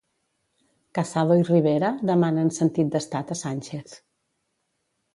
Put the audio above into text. Casado i Rivera demanen sentit d'estat a Sánchez.